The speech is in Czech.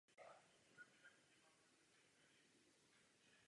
Ve smíšené čtyřhře vyhrála běloruská dvojice Max Mirnyj a Viktoria Azarenková.